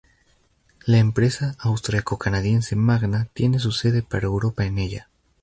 La empresa austriaco-canadiense Magna tiene su sede para Europa en ella.